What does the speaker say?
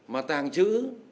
mà tàng trữ